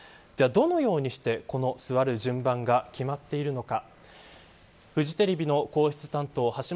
では、どのようにしてこの座る順番が決まっているのか。